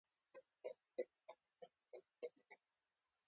د زړه د روغتیا لپاره اومیګا تري وکاروئ